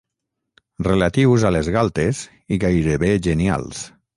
Relatius a les galtes i gairebé genials.